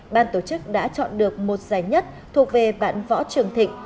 ban tổ chức đã chọn được một giải nhất thuộc về bạn võ trường thịnh